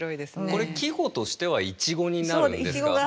これ季語としては「苺」になるんですか？